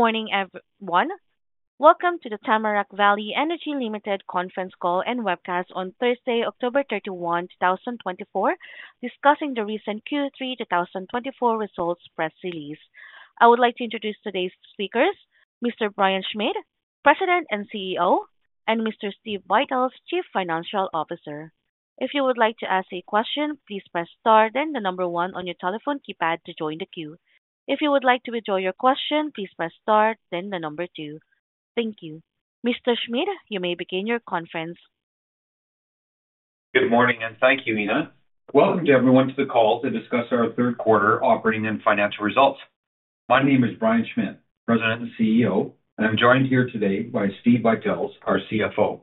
Good morning, everyone. Welcome to the Tamarack Valley Energy Limited Conference Call and webcast on Thursday, 31 October 2024, discussing the recent Q3 2024 results press release. I would like to introduce today's speakers: Mr. Brian Schmidt, President and CEO, and Mr. Steve Buytels, Chief Financial Officer. If you would like to ask a question, please press Star, then the number one on your telephone keypad to join the queue. If you would like to withdraw your question, please press Star, then the number two. Thank you. Mr. Schmidt, you may begin your conference. Good morning, and thank you, Ina. Welcome to everyone to the call to discuss our Q3 operating and financial results. My name is Brian Schmidt, President and CEO, and I'm joined here today by Steve Buytels, our CFO.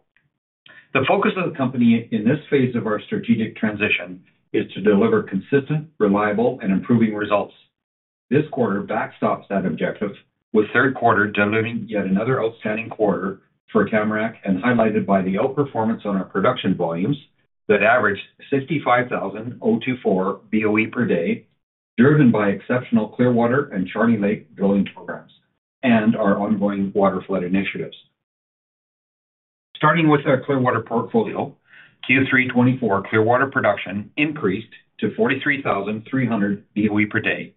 The focus of the company in this phase of our strategic transition is to deliver consistent, reliable, and improving results. This quarter backstops that objective, with Q3 delivering yet another outstanding quarter for Tamarack and highlighted by the outperformance on our production volumes that averaged 65,000 BOE per day, driven by exceptional Clearwater and Charlie Lake drilling programs and our ongoing waterflood initiatives. Starting with our Clearwater portfolio, Q3 24 Clearwater production increased to 43,300 BOE per day,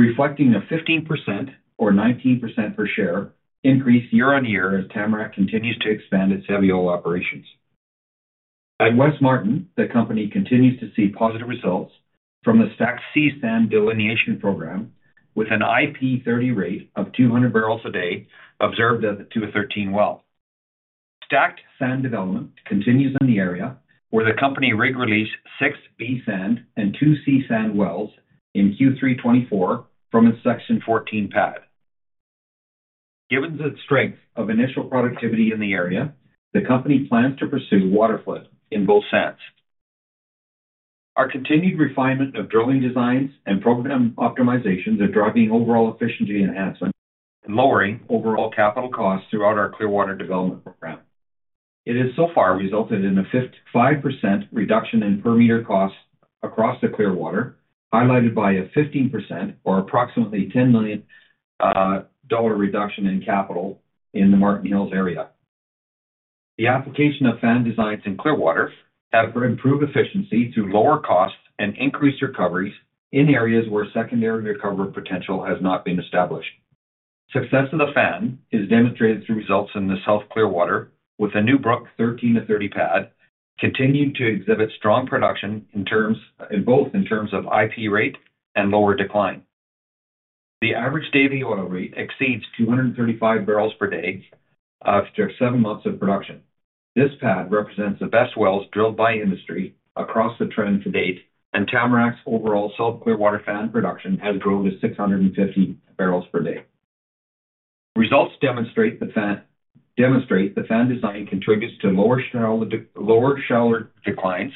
reflecting a 15% or 19% per share increase year on year as Tamarack continues to expand its heavy oil operations. At West Marten, the company continues to see positive results from the Stacked C Sand Delineation program, with an IP30 rate of 200 barrels a day observed at the 213 well. Stacked Sand Development continues in the area, where the company rig release six B Sand and two C Sand wells in Q3 2024 from its Section 14 pad. Given the strength of initial productivity in the area, the company plans to pursue waterflood in both sands. Our continued refinement of drilling designs and program optimizations are driving overall efficiency enhancement and lowering overall capital costs throughout our Clearwater development program. It has so far resulted in a 5% reduction in per meter costs across the Clearwater, highlighted by a 15% or approximately $10 million reduction in capital in the Marten Hills area. The application of fan designs in Clearwater has improved efficiency through lower costs and increased recoveries in areas where secondary recovery potential has not been established. Success of the fan is demonstrated through results in the South Clearwater, with a new Brodie 13-30 pad continuing to exhibit strong production in both terms of IP rate and lower decline. The average daily oil rate exceeds 235 barrels per day after seven months of production. This pad represents the best wells drilled by industry across the trend to date, and Tamarack's overall South Clearwater fan production has grown to 650 barrels per day. Results demonstrate the fan design contributes to lower shallow declines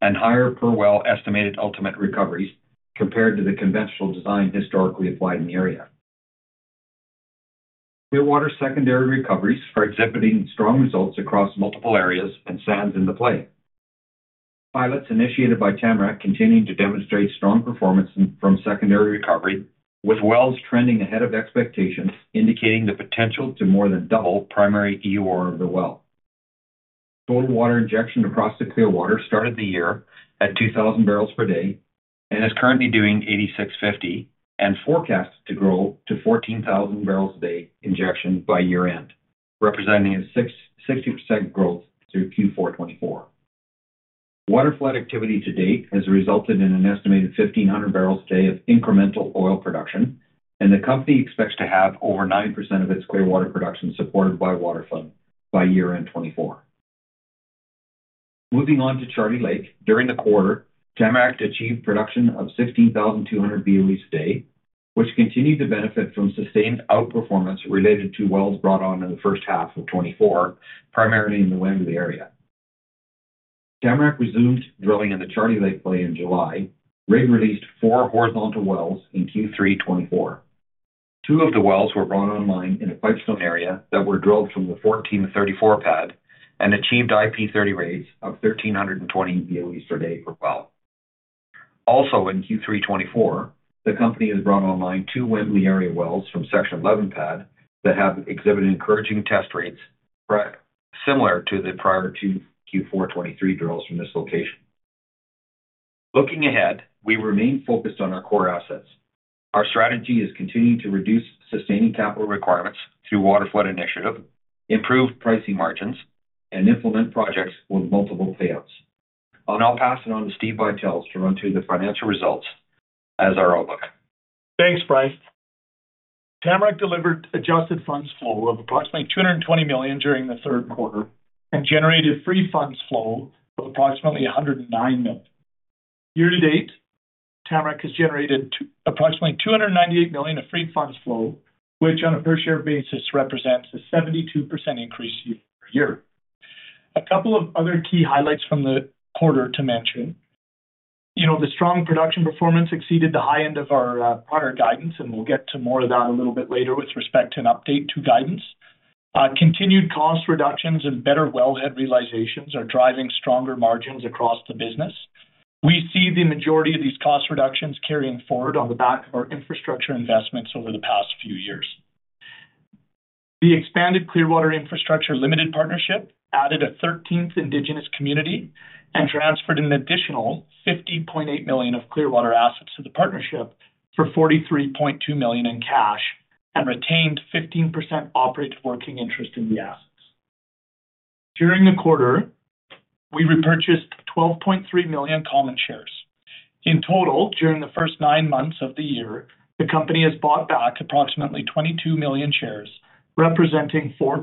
and higher per well estimated ultimate recoveries compared to the conventional design historically applied in the area. Clearwater secondary recoveries are exhibiting strong results across multiple areas and sands in the play. Pilots initiated by Tamarack continue to demonstrate strong performance from secondary recovery, with wells trending ahead of expectations, indicating the potential to more than double primary EUR per well. Total water injection across the Clearwater started the year at 2,000 barrels per day and is currently doing 8,650, and forecast to grow to 14,000 barrels a day injection by year-end, representing a 60% growth through Q4 2024. Waterflood activity to date has resulted in an estimated 1,500 barrels a day of incremental oil production, and the company expects to have over 9% of its Clearwater production supported by waterflood by year-end 2024. Moving on to Charlie Lake, during the quarter, Tamarack achieved production of 16,200 BOEs a day, which continued to benefit from sustained outperformance related to wells brought on in the first half of 2024, primarily in the Wembley area. Tamarack resumed drilling in the Charlie Lake play in July, rig released four horizontal wells in Q3 2024. Two of the wells were brought online in a Pipestone area that were drilled from the 14-34 pad and achieved IP30 rates of 1,320 BOEs per day per well. Also, in Q3 2024, the company has brought online two Wembley area wells from Section 11 pad that have exhibited encouraging test rates similar to the prior Q4 2023 drills from this location. Looking ahead, we remain focused on our core assets. Our strategy is continuing to reduce sustaining capital requirements through waterflood initiative, improve pricing margins, and implement projects with multiple payouts. I'll now pass it on to Steve Buytels to run through the financial results as our outlook. Thanks, Brian. Tamarack delivered adjusted funds flow of approximately 220 million during the Q3 and generated free funds flow of approximately 109 million. Year to date, Tamarack has generated approximately 298 million of free funds flow, which on a per share basis represents a 72% increase year over year. A couple of other key highlights from the quarter to mention. You know, the strong production performance exceeded the high end of our prior guidance, and we'll get to more of that a little bit later with respect to an update to guidance. Continued cost reductions and better wellhead realizations are driving stronger margins across the business. We see the majority of these cost reductions carrying forward on the back of our infrastructure investments over the past few years. The expanded Clearwater Infrastructure Limited Partnership added a 13th Indigenous community and transferred an additional 50.8 million of Clearwater assets to the partnership for 43.2 million in cash and retained 15% operative working interest in the assets. During the quarter, we repurchased 12.3 million common shares. In total, during the first nine months of the year, the company has bought back approximately 22 million shares, representing 4%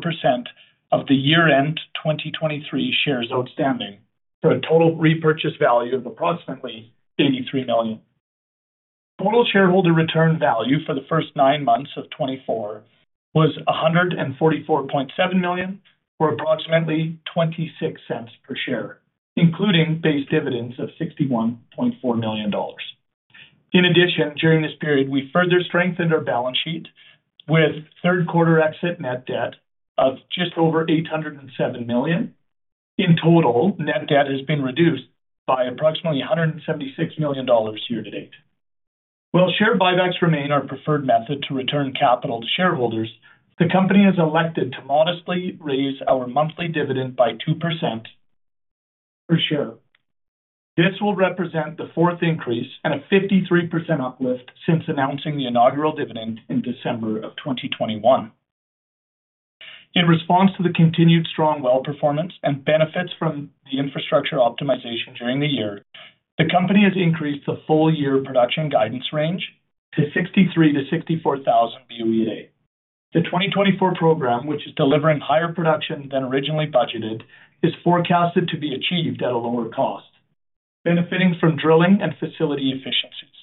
of the year-end 2023 shares outstanding. So a total repurchase value of approximately 83 million. Total shareholder return value for the first nine months of 2024 was 144.7 million for approximately 0.26 per share, including base dividends of 61.4 million dollars. In addition, during this period, we further strengthened our balance sheet with Q3 exit net debt of just over 807 million. In total, net debt has been reduced by approximately 176 million dollars year to date. While share buybacks remain our preferred method to return capital to shareholders, the company has elected to modestly raise our monthly dividend by 2% per share. This will represent the fourth increase and a 53% uplift since announcing the inaugural dividend in December of 2021. In response to the continued strong well performance and benefits from the infrastructure optimization during the year, the company has increased the full year production guidance range to 63,000-64,000 BOE a day. The 2024 program, which is delivering higher production than originally budgeted, is forecasted to be achieved at a lower cost, benefiting from drilling and facility efficiencies.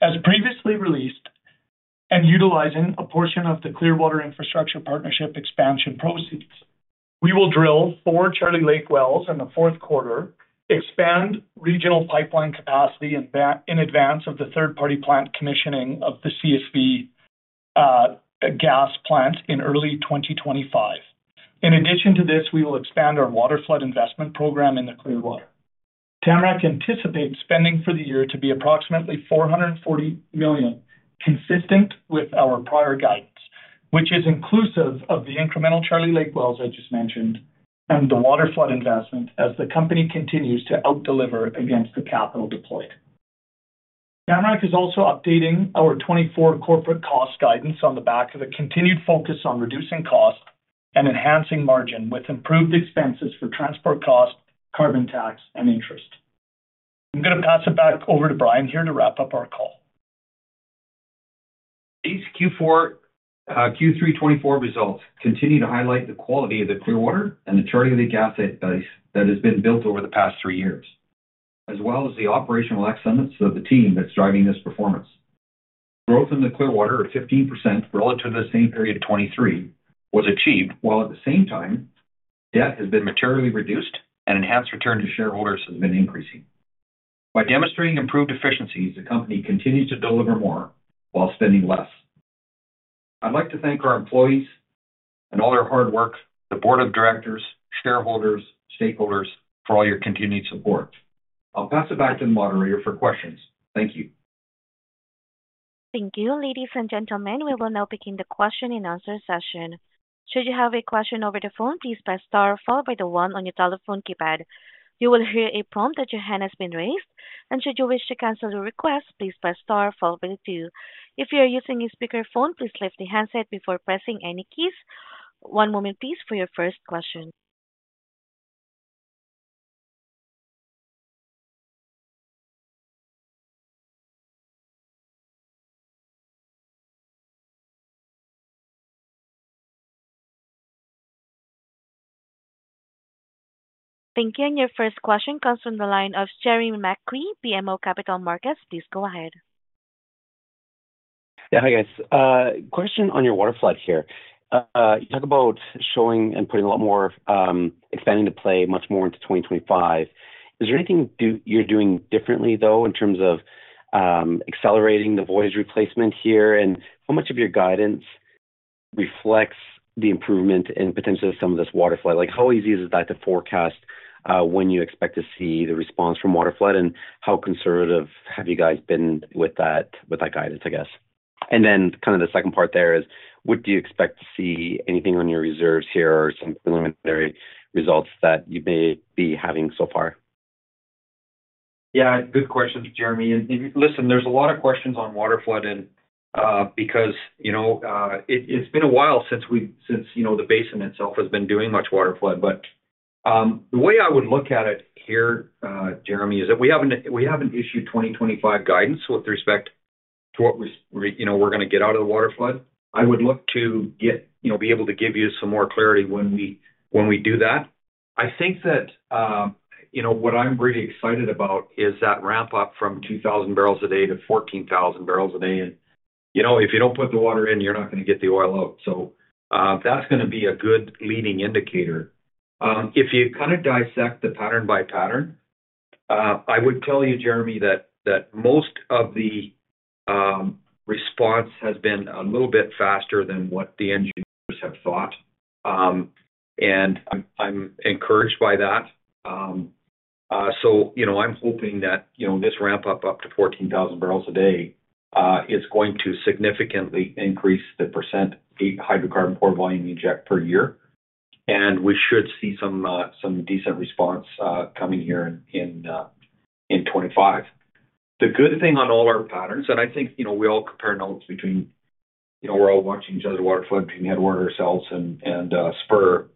As previously released and utilizing a portion of the Clearwater Infrastructure Partnership expansion proceeds, we will drill four Charlie Lake wells in the Q4, expand regional pipeline capacity in advance of the third-party plant commissioning of the CSV gas plant in early 2025. In addition to this, we will expand our waterflood investment program in the Clearwater. Tamarack anticipates spending for the year to be approximately 440 million, consistent with our prior guidance, which is inclusive of the incremental Charlie Lake wells I just mentioned and the waterflood investment as the company continues to out deliver against the capital deployed. Tamarack is also updating our 2024 corporate cost guidance on the back of a continued focus on reducing costs and enhancing margin with improved expenses for transport cost, carbon tax, and interest. I'm going to pass it back over to Brian here to wrap up our call. These Q4, Q3 2024 results continue to highlight the quality of the Clearwater and the Charlie Lake asset base that has been built over the past three years, as well as the operational excellence of the team that's driving this performance. Growth in the Clearwater of 15% relative to the same period of 2023 was achieved, while at the same time, debt has been materially reduced and enhanced return to shareholders has been increasing. By demonstrating improved efficiencies, the company continues to deliver more while spending less. I'd like to thank our employees and all their hard work, the board of directors, shareholders, stakeholders for all your continued support. I'll pass it back to the moderator for questions. Thank you. Thank you. Ladies and gentlemen, we will now begin the question and answer session. Should you have a question over the phone, please press star followed by the one on your telephone keypad. You will hear a prompt that your hand has been raised, and should you wish to cancel your request, please press star followed by the two. If you are using a speakerphone, please lift the handset before pressing any keys. One moment, please, for your first question. Thank you, and your first question comes from the line of Jeremy McCrea, BMO Capital Markets. Please go ahead. Yeah, hi guys. Question on your waterflood here. You talk about growing and putting a lot more expansion to play much more into 2025. Is there anything you're doing differently, though, in terms of accelerating the reserve replacement here? And how much of your guidance reflects the improvement in potentially some of this waterflood? Like, how easy is that to forecast when you expect to see the response from waterflood? And how conservative have you guys been with that guidance, I guess? And then kind of the second part there is, what do you expect to see? Anything on your reserves here or some preliminary results that you may be having so far? Yeah, good questions, Jeremy, and listen, there's a lot of questions on water flood because it's been a while since the basin itself has been doing much water flood, but the way I would look at it here, Jeremy, is that we have our 2025 guidance with respect to what we're going to get out of the water flood. I would look to be able to give you some more clarity when we do that. I think that what I'm really excited about is that ramp up from 2,000 barrels a day to 14,000 barrels a day, and if you don't put the water in, you're not going to get the oil out, so that's going to be a good leading indicator. If you kind of dissect the pattern by pattern, I would tell you, Jeremy, that most of the response has been a little bit faster than what the engineers have thought. And I'm encouraged by that. So I'm hoping that this ramp up to 14,000 barrels a day is going to significantly increase the percent hydrocarbon pore volume we inject per year. And we should see some decent response coming here in 2025. The good thing on all our patterns, and I think we all compare notes between we're all watching each other's waterflood between Headwater ourselves and Spur.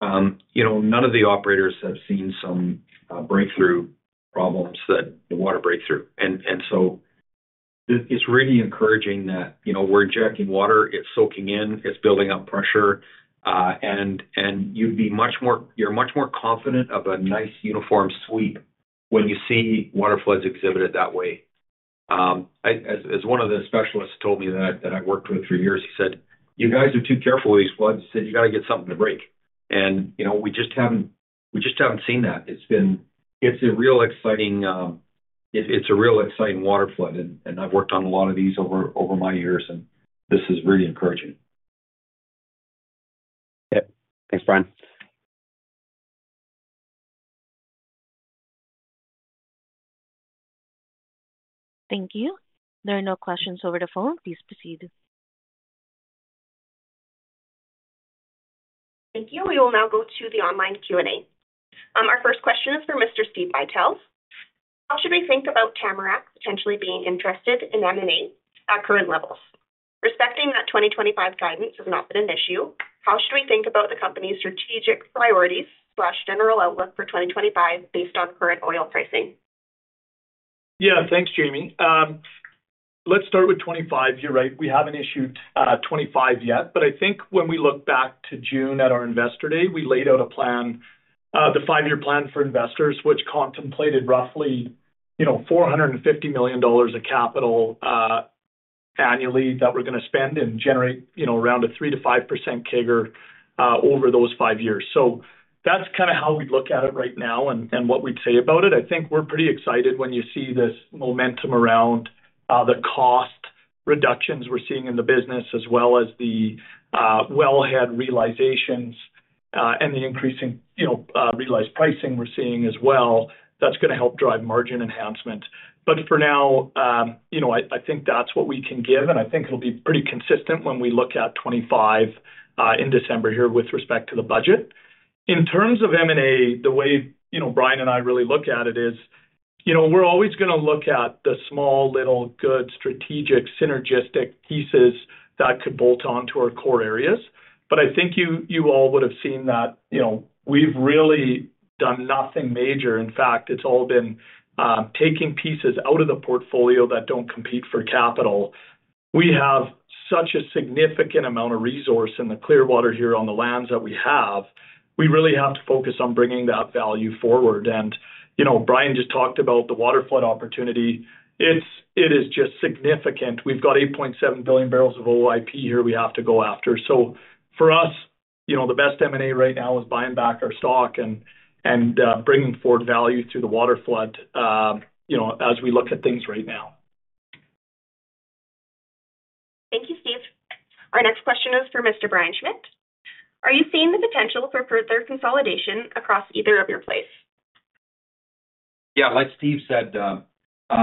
None of the operators have seen some breakthrough problems that the water breaks through. And so it's really encouraging that we're injecting water, it's soaking in, it's building up pressure, and you're much more confident of a nice uniform sweep when you see waterfloods exhibited that way. As one of the specialists told me that I worked with for years, he said, "You guys are too careful with these waterfloods." He said, "You got to get something to break." And we just haven't seen that. It's a real exciting waterflood. And I've worked on a lot of these over my years, and this is really encouraging. Yeah. Thanks, Brian. Thank you. There are no questions over the phone. Please proceed. Thank you. We will now go to the online Q&A. Our first question is for Mr. Steve Buytels. How should we think about Tamarack potentially being interested in M&A at current levels? Respecting that 2025 guidance has not been an issue, how should we think about the company's strategic priorities/general outlook for 2025 based on current oil pricing? Yeah, thanks, Jamie. Let's start with 2025. You're right. We haven't issued 2025 yet, but I think when we look back to June at our investor day, we laid out a plan, the five-year plan for investors, which contemplated roughly 450 million dollars of capital annually that we're going to spend and generate around a 3%-5% CAGR over those five years. So that's kind of how we look at it right now and what we'd say about it. I think we're pretty excited when you see this momentum around the cost reductions we're seeing in the business, as well as the wellhead realizations and the increasing realized pricing we're seeing as well. That's going to help drive margin enhancement, but for now, I think that's what we can give. I think it'll be pretty consistent when we look at 2025 in December here with respect to the budget. In terms of M&A, the way Brian and I really look at it is we're always going to look at the small, little, good, strategic, synergistic pieces that could bolt onto our core areas. But I think you all would have seen that we've really done nothing major. In fact, it's all been taking pieces out of the portfolio that don't compete for capital. We have such a significant amount of resource in the Clearwater here on the lands that we have. We really have to focus on bringing that value forward. And Brian just talked about the waterflood opportunity. It is just significant. We've got 8.7 billion barrels of OIP here we have to go after. So for us, the best M&A right now is buying back our stock and bringing forward value through the waterflood as we look at things right now. Thank you, Steve. Our next question is for Mr. Brian Schmidt. Are you seeing the potential for further consolidation across either of your plays? Yeah. Like Steve said,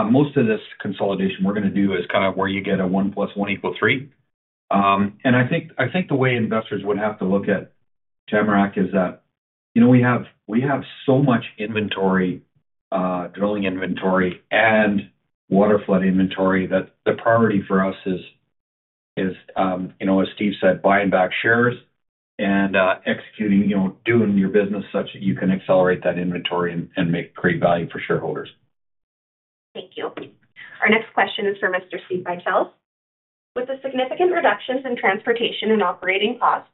most of this consolidation we're going to do is kind of where you get a 1 plus 1 equals 3. And I think the way investors would have to look at Tamarack is that we have so much inventory, drilling inventory, and waterflood inventory that the priority for us is, as Steve said, buying back shares and executing, doing your business such that you can accelerate that inventory and create value for shareholders. Thank you. Our next question is for Mr. Steve Buytels. With the significant reductions in transportation and operating cost,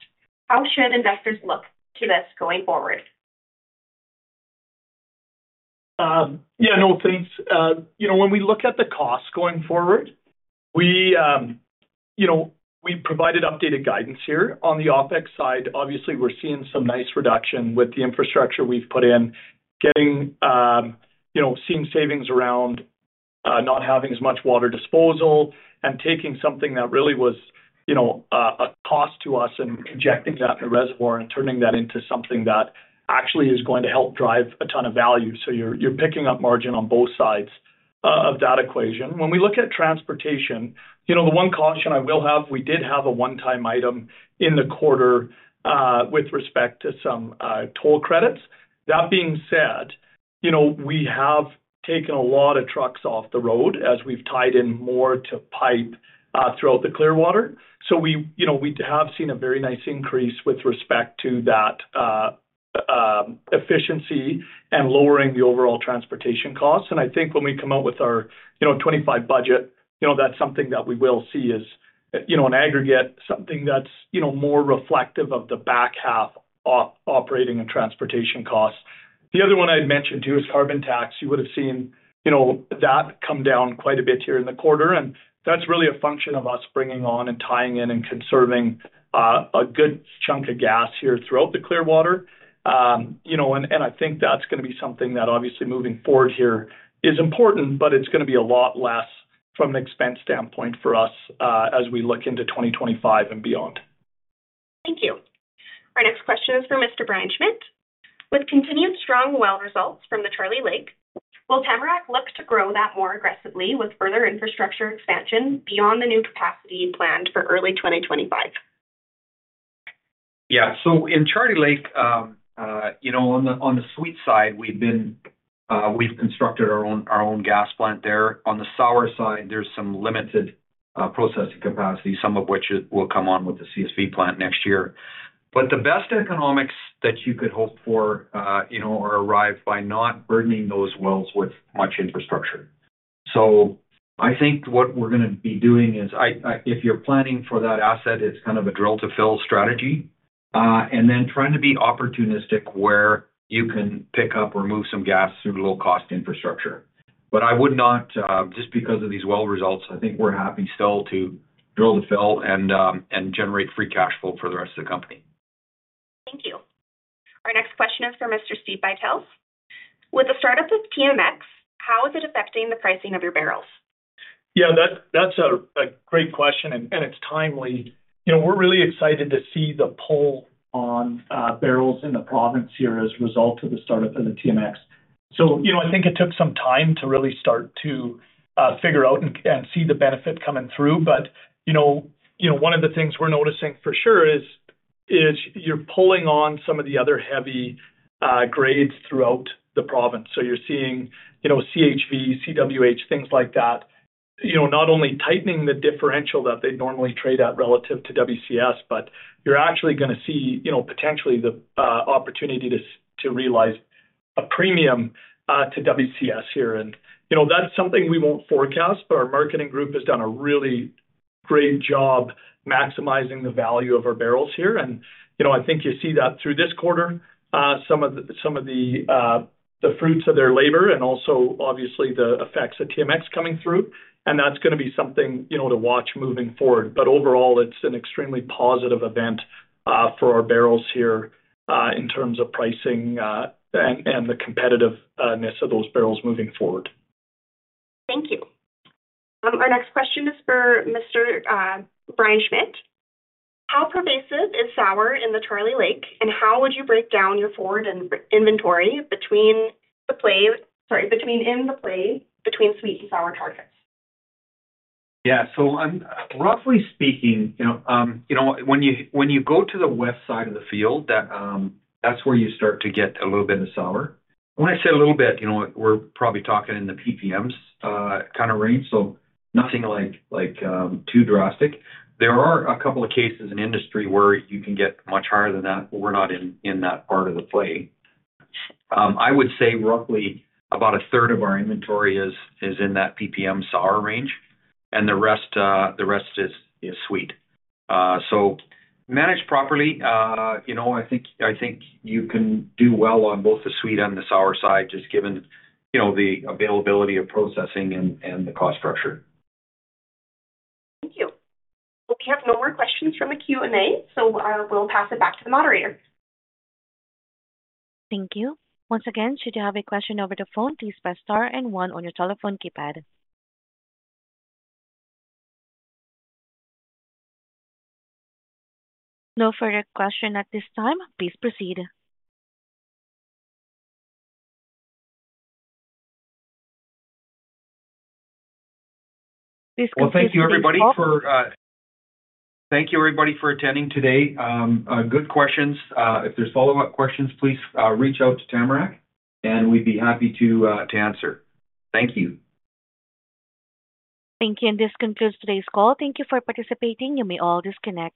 how should investors look to this going forward? Yeah, no thanks. When we look at the cost going forward, we provided updated guidance here on the OpEx side. Obviously, we're seeing some nice reduction with the infrastructure we've put in, seeing savings around not having as much water disposal and taking something that really was a cost to us and injecting that in the reservoir and turning that into something that actually is going to help drive a ton of value. So you're picking up margin on both sides of that equation. When we look at transportation, the one caution I will have, we did have a one-time item in the quarter with respect to some toll credits. That being said, we have taken a lot of trucks off the road as we've tied in more to pipe throughout the Clearwater. So we have seen a very nice increase with respect to that efficiency and lowering the overall transportation costs. And I think when we come out with our 2025 budget, that's something that we will see as an aggregate, something that's more reflective of the back half operating and transportation costs. The other one I'd mentioned too is carbon tax. You would have seen that come down quite a bit here in the quarter. And that's really a function of us bringing on and tying in and conserving a good chunk of gas here throughout the Clearwater. And I think that's going to be something that obviously moving forward here is important, but it's going to be a lot less from an expense standpoint for us as we look into 2025 and beyond. Thank you. Our next question is for Mr. Brian Schmidt. With continued strong well results from the Charlie Lake, will Tamarack look to grow that more aggressively with further infrastructure expansion beyond the new capacity planned for early 2025? Yeah. So in Charlie Lake, on the sweet side, we've constructed our own gas plant there. On the sour side, there's some limited processing capacity, some of which will come on with the CSV plant next year. But the best economics that you could hope for are arrived by not burdening those wells with much infrastructure. So I think what we're going to be doing is, if you're planning for that asset, it's kind of a drill-to-fill strategy, and then trying to be opportunistic where you can pick up or move some gas through low-cost infrastructure. But I would not, just because of these well results, I think we're happy still to drill to fill and generate free cash flow for the rest of the company. Thank you. Our next question is for Mr. Steve Buytels. With the startup of TMX, how is it affecting the pricing of your barrels? Yeah, that's a great question, and it's timely. We're really excited to see the pull on barrels in the province here as a result of the startup of the TMX. So I think it took some time to really start to figure out and see the benefit coming through. But one of the things we're noticing for sure is you're pulling on some of the other heavy grades throughout the province. So you're seeing CHV, CWH, things like that, not only tightening the differential that they normally trade at relative to WCS, but you're actually going to see potentially the opportunity to realize a premium to WCS here. And that's something we won't forecast, but our marketing group has done a really great job maximizing the value of our barrels here. I think you see that through this quarter, some of the fruits of their labor and also, obviously, the effects of TMX coming through. That's going to be something to watch moving forward. Overall, it's an extremely positive event for our barrels here in terms of pricing and the competitiveness of those barrels moving forward. Thank you. Our next question is for Mr. Brian Schmidt. How pervasive is sour in the Charlie Lake, and how would you break down your forward inventory between the play sorry, between in the play between sweet and sour targets? Yeah. So roughly speaking, when you go to the west side of the field, that's where you start to get a little bit of sour. When I say a little bit, we're probably talking in the PPMs kind of range, so nothing too drastic. There are a couple of cases in industry where you can get much higher than that, but we're not in that part of the play. I would say roughly about a third of our inventory is in that PPM sour range, and the rest is sweet. So managed properly, I think you can do well on both the sweet and the sour side, just given the availability of processing and the cost structure. Thank you. We have no more questions from the Q&A, so we'll pass it back to the moderator. Thank you. Once again, should you have a question over the phone, please press star and one on your telephone keypad. No further question at this time. Please proceed. Thank you, everybody, for attending today. Good questions. If there's follow-up questions, please reach out to Tamarack, and we'd be happy to answer. Thank you. Thank you. And this concludes today's call. Thank you for participating. You may all disconnect.